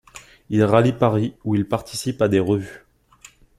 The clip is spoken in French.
Il rallie Paris, où il participe à des revues.